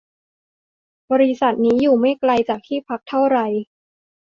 บริษัทนี้อยู่ไม่ไกลจากที่พักเท่าไร